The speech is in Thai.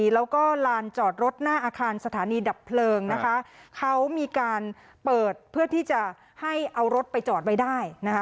แล้วก็ลานจอดรถหน้าอาคารสถานีดับเพลิงนะคะเขามีการเปิดเพื่อที่จะให้เอารถไปจอดไว้ได้นะคะ